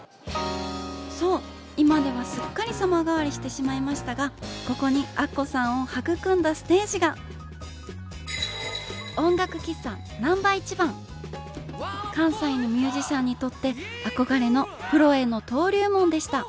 そう今ではすっかり様変わりしてしまいましたがここにアッコさんを育んだステージが関西のミュージシャンにとって憧れのプロへの登竜門でした